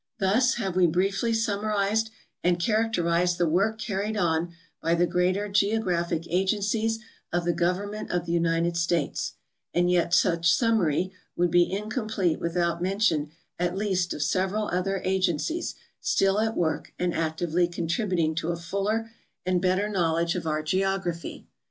Thus have we briefl}' summarized and characterized the work carried on by the greater geographic agencies of the government of the United States ; and yet such summary would be incom plete wdthout mention at least of several other agencies still at work and actively contributing to a fuller and better knowl edge of our geography.